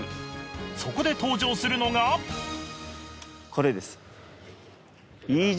そこで登場するのがこれですＥＧ！